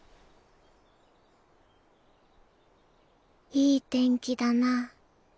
いい天気だな。